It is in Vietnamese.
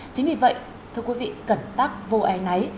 chính vì vậy thưa quý vị cẩn tắc vô e náy